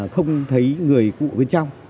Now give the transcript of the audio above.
không thấy người cụ bên trong